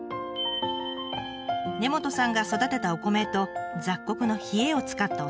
根本さんが育てたお米と雑穀のひえを使ったお酒。